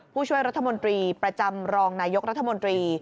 ผู้ช่วยรัฐมนตรีประจำรองนายกรัฐมนตรี